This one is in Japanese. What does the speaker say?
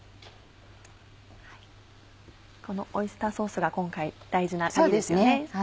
このオイスターソースが今回大事なカギですよね。